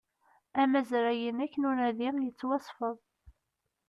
Amazray-inek n unadi yettwasfed